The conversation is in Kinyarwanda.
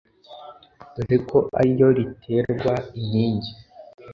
Dore ko ari iyo riterwa inkingi!